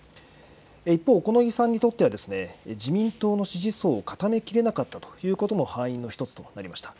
一方小此木さんにとっては自民党の支持層を固め切れなかったということも敗因の１つとなりました。